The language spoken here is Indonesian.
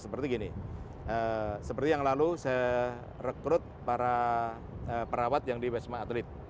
seperti gini seperti yang lalu saya rekrut para perawat yang di wisma atlet